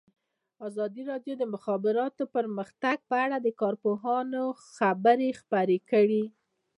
ازادي راډیو د د مخابراتو پرمختګ په اړه د کارپوهانو خبرې خپرې کړي.